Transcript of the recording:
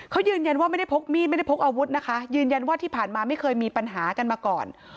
เขายืนยันว่าไม่ได้พกมีดไม่ได้พกอาวุธนะคะยืนยันว่าที่ผ่านมาไม่เคยมีปัญหากันมาก่อน